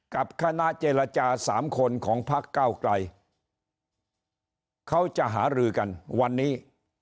กับคณะเจรจาสามคนของพักเก้าไกลเขาจะหารือกันวันนี้